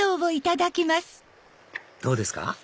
どうですか？